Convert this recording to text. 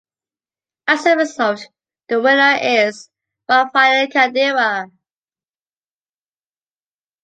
As a result, the winner is Rafael Caldera.